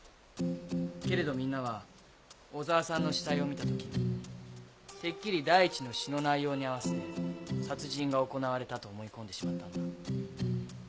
けれどみんなは小沢さんの死体を見た時てっきり第一の詩の内容に合わせて殺人が行われたと思い込んでしまったんだ。